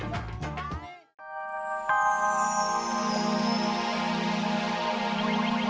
yang memulihkan angkot saya sihat aja bu